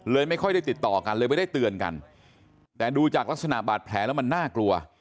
ไม่ค่อยได้ติดต่อกันเลยไม่ได้เตือนกันแต่ดูจากลักษณะบาดแผลแล้วมันน่ากลัว